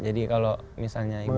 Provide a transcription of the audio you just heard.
jadi kalau misalnya iqbal lagi